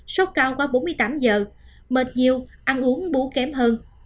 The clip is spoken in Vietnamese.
sốt cao qua bốn mươi tám giờ mệt nhiều ăn uống bú kém hơn